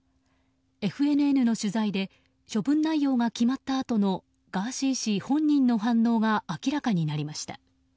ＦＮＮの取材で処分内容が決まったあとのガーシー氏本人の反応が明らかになりました。